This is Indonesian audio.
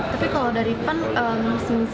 tapi kalau daripan harus misalnya